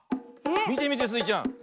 みてみてスイちゃん。